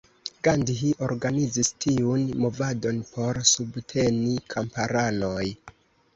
Gandhi organizis tiun movadon por subteni kamparanoj.